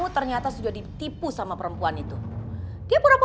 sebagai ibunya aku tahu